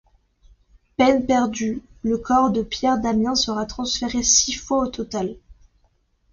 Peine perdue, le corps de Pierre Damien sera transféré six fois au total.